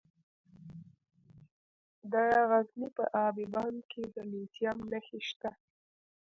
د غزني په اب بند کې د لیتیم نښې شته.